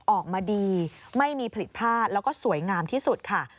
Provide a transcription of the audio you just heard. ออกมาดีไม่มีผิดพลาดแล้วก็สวยงามที่สุดค่ะ